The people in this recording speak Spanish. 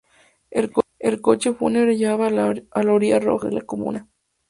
El coche fúnebre llevaba la orla roja de miembro de la Comuna.